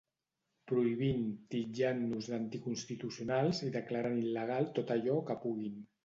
Prohibint, titllant-nos d’anticonstitucionals i declarant il·legal tot allò que puguin.